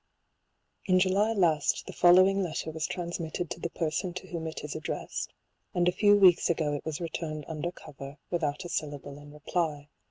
1797. In July last the following letter was transmitted to the person to whom it is addressed, and a few weeks ago it was returned un der cover, without a syllable in reply.